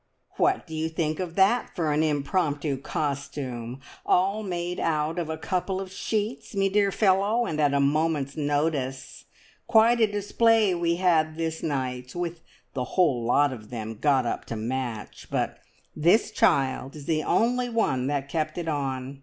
"What do you think of that for an impromptu costume? All made out of a couple of sheets, me dear fellow, and at a moment's notice. Quite a display we had this night, with the whole lot of them got up to match; but this child is the only one that kept it on.